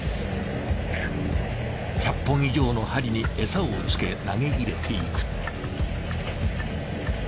１００本以上の針にエサをつけ投げ入れていく。